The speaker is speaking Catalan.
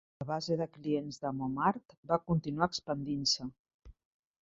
La base de clients de Momart va continuar expandint-se.